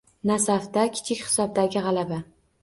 “Nasaf”da kichik hisobdagi g‘alaba